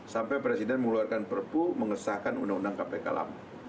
sampai presiden mengeluarkan perpu mengesahkan undang undang kpk lama